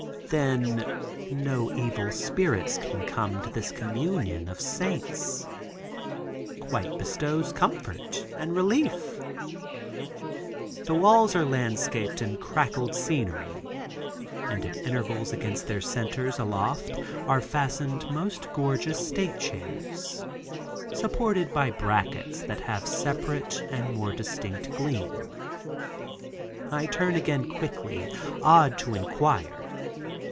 "Then no evil spirits can come to this communion of saints." Quite bestows comfort and relief. The walls are landscaped in crackled scenery, and at intervals against their centers aloft, are fastened most gorgeous state chairs, supported by brackets that have a separate and more distinct gleam. I turn again quickly, awed to inquire.